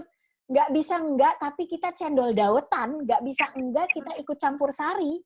tidak bisa tidak tapi kita cendol dawetan tidak bisa tidak kita ikut campur sari